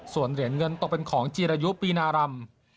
ส่วนเหรียญเงินตกเป็นของจีรายุปีนารำ